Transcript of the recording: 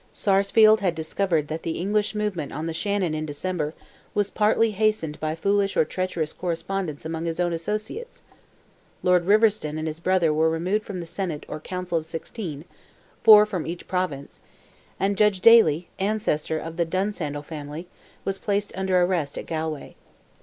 Sarsfield had discovered that the English movement on the Shannon in December was partly hastened by foolish or treacherous correspondence among his own associates. Lord Riverston and his brother were removed from the Senate, or Council of Sixteen—four from each province—and Judge Daly, ancestor of the Dunsandle family, was placed under arrest at Galway.